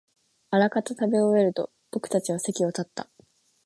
あらかた食べ終えると、僕たちは席を立った